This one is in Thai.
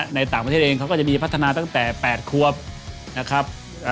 ในต่างประเทศเองเขาก็จะมีพัฒนาตั้งแต่๘ควบนะครับ